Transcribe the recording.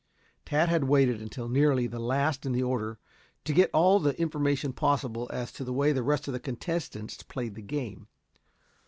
Tad had waited until nearly the last in order to get all the information possible as to the way the rest of the contestants played the game.